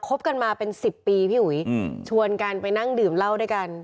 บกันมาเป็นสิบปีพี่อุ๋ยชวนกันไปนั่งดื่มเหล้าด้วยกัน